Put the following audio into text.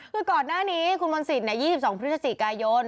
คือก่อนหน้านี้คุณมนศิษย์๒๒พฤศจิกายน